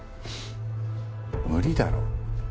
無理だろ。